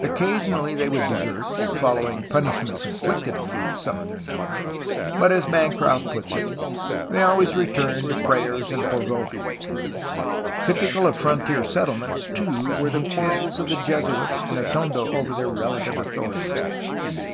Occasionally they would desert, following punishments inflicted upon some of their number, but, as Bancroft puts it, they always returned to "prayers and pozole.' ' Typical of frontier settlements, too, were the quarrels of the Jesuits and Atondo over their relative authority.